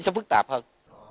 nó sẽ phức tạp hơn